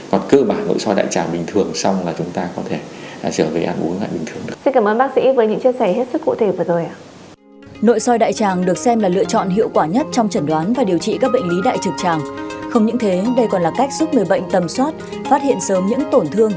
còn cơ bản nội soi đại tràng bình thường xong là chúng ta có thể trở về ăn uống ngay bình thường